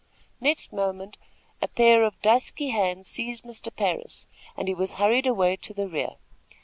Next moment, a pair of dusky hands seized Mr. Parris, and he was hurried away to the rear.